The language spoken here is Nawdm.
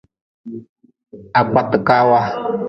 Ha kpati kaawa.